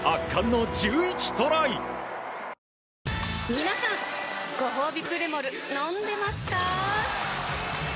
みなさんごほうびプレモル飲んでますかー？